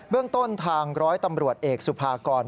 เรื่องต้นทางร้อยตำรวจเอกสุภากร